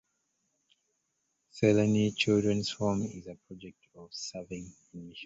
Mseleni Children's Home is a project of Serving In Mission.